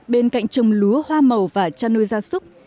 bên cạnh trồng lúa hoa màu và chăn nuôi gia súc